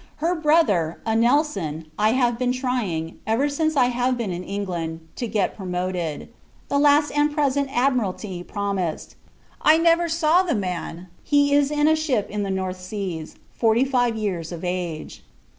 Her brother, a Nelson, I have been trying, ever since I have been in England, to get promoted. The last and present Admiralty promised. I never saw the man; he is in a ship in the North Seas, forty five years of age.